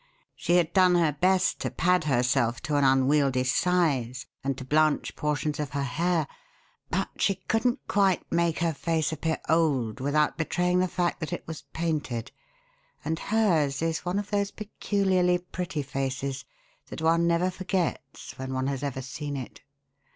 She had done her best to pad herself to an unwieldy size and to blanch portions of her hair, but she couldn't quite make her face appear old without betraying the fact that it was painted and hers is one of those peculiarly pretty faces that one never forgets when one has ever seen it.